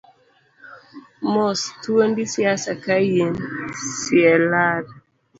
Mos thuondi siasa kain, cllr.